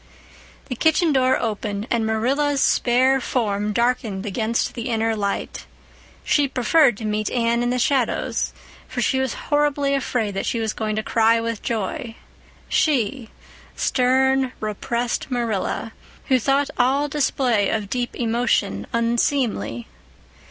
The kitchen door opened and Marilla's spare form darkened against the inner light. She preferred to meet Anne in the shadows, for she was horribly afraid that she was going to cry with joy—she, stern, repressed Marilla, who thought all display of deep emotion unseemly.